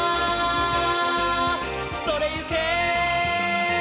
「それゆけ！」